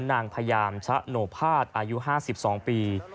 นางพยามชะโนภาสอายุ๕๒ปี